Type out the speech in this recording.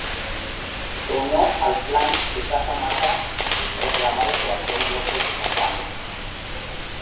Se unió al Plan de Casa Mata proclamado por Antonio López de Santa Anna.